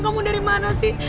kamu dari mana sih